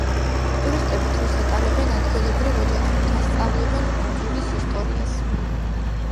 ტურისტები დროს ატარებენ ადგილობრივ ოჯახებთან, სწავლობენ კუნძულის ისტორიას.